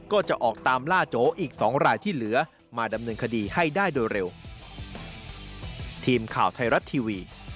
ก็จะออกตามล่าโจอีก๒รายที่เหลือมาดำเนินคดีให้ได้โดยเร็ว